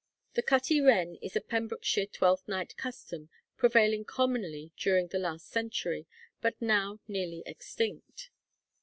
The cutty wren is a Pembrokeshire Twelfth Night custom prevailing commonly during the last century, but now nearly extinct.